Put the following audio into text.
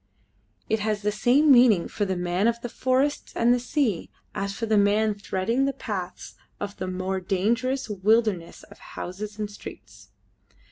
It has the same meaning for the man of the forests and the sea as for the man threading the paths of the more dangerous wilderness of houses and streets.